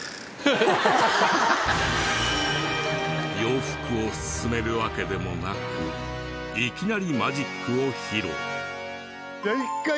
洋服を薦めるわけでもなくいきなりマジックを披露。